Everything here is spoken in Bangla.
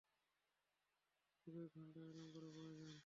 তোমাদের এখানে বসে কয়েক ঘন্টা আরাম করা প্রয়োজন।